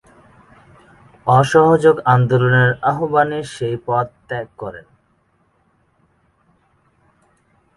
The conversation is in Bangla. অসহযোগ আন্দোলনের আহ্বানে সেই পদ ত্যাগ করেন।